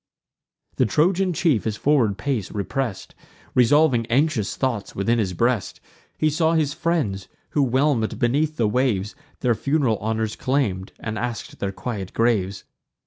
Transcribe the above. The Trojan chief his forward pace repress'd, Revolving anxious thoughts within his breast, He saw his friends, who, whelm'd beneath the waves, Their fun'ral honours claim'd, and ask'd their quiet graves.